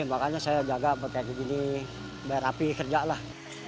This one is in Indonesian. makanya saya jaga pakai begini bayar api kerja lah